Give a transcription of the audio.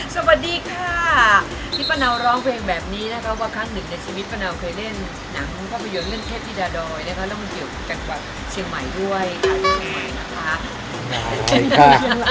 สวัสดีค่ะพี่ป้าเนาร้องเพลงแบบนี้นะคะว่าครั้งหนึ่งในชีวิตป้าเนาเคยเล่นหนังภาพยนตร์เรื่องเทพธิดาดอยนะคะแล้วมันอยู่จังหวัดเชียงใหม่ด้วยค่ะ